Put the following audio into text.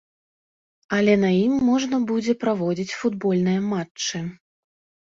Але на ім можна будзе праводзіць футбольныя матчы.